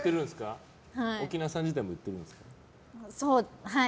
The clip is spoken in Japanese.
奥菜さん自体も言ってるんですか？